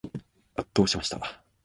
圧倒しました。